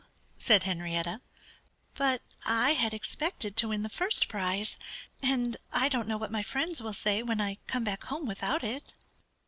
said Henrietta. "But I had expected to win the first prize. And I don't know what my friends will say when I come back home without it."